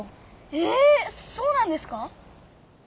えそうなんですか？